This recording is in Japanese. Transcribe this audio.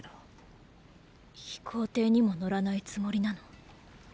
飛行艇にも乗らないつもりなの？